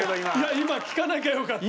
今聞かなきゃよかった。